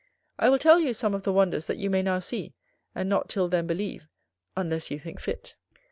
I will tell you some of the wonders that you may now see, and not till then believe, unless you think fit.